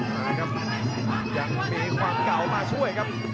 มาครับยังมีความเก่ามาช่วยครับ